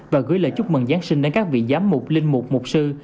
và gửi lời chúc mừng giáng sinh đến các vị giám mục linh mục một mục sư